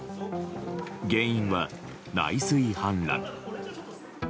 原因は内水氾濫。